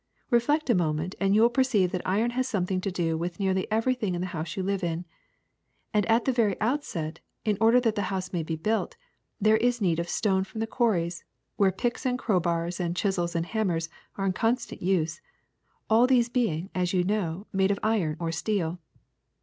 Reflect a moment and you will perceive that iron has had something to do with nearly everything in the house you live in. And at the very outset, in order that the house may be built, there is need of stone from the quarries, where picks and crowbars and chisels and hammers are in constant use, all these being, as you know, made of iron or steel.